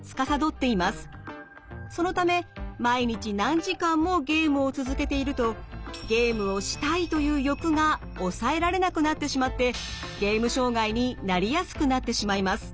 そのため毎日何時間もゲームを続けているとゲームをしたいという欲が抑えられなくなってしまってゲーム障害になりやすくなってしまいます。